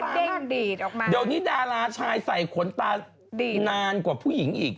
ออกมาเดี๋ยวนี้ดาราชายใส่ขนตานานกว่าผู้หญิงอีก